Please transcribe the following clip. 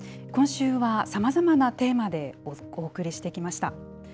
今週はさまざまなテーマでお送りしてきました。